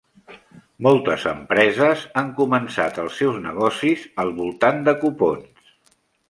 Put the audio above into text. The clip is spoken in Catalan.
Moltes empreses han començat els seus negocis al voltant de cupons.